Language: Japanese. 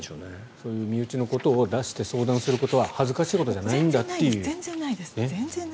そういう身内のことを出して相談することは恥ずかしいことではないということです。